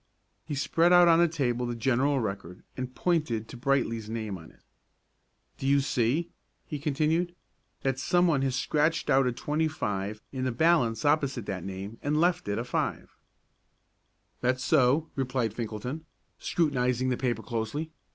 He spread out on the table the general record and pointed to Brightly's name on it. "Do you see," he continued, "that some one has scratched out a 25 in the balance opposite that name and left it a 5?" "That's so," replied Finkelton, scrutinizing the paper closely.